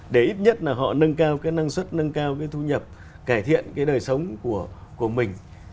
để ít nhất là họ nâng cao cái năng suất nâng cao cái thu nhập cải thiện cái đời sống của mình